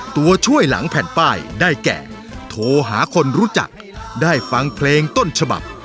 ตัวช่วยหลังแผ่นป้ายได้แก่โทรหาคนรู้จักได้ฟังเพลงต้นฉบับ